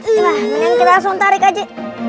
coba mending kita langsung tarik aja